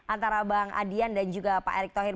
antara bang adian dan juga pak erick thohir